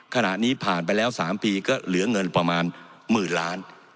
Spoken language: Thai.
ขณะนี้ผ่านไปแล้ว๓ปีก็เหลือเงินประมาณหมื่นล้าน